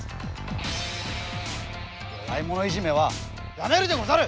よわいものいじめはやめるでござる！